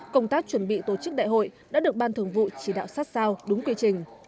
công tác chuẩn bị tổ chức đại hội đã được ban thường vụ chỉ đạo sát sao đúng quy trình